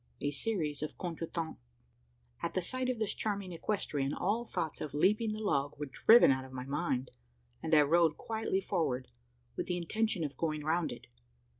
A SERIES OF CONTRE TEMPS. At sight of this charming equestrian, all thoughts of leaping the log were driven out of my mind; and I rode quietly forward, with the intention of going round it.